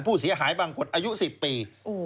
ผู้เสียหายบางคนอายุ๑๐ปี